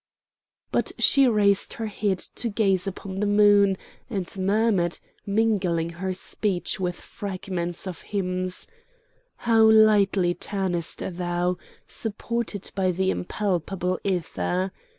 But she raised her head to gaze upon the moon, and murmured, mingling her speech with fragments of hymns: "How lightly turnest thou, supported by the impalpable ether!